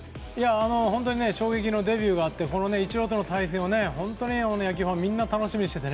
本当に衝撃のデビューがあってイチローとの対戦は本当に野球ファンがみんな楽しみにしていて。